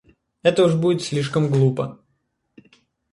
Это уж будет слишком глупо.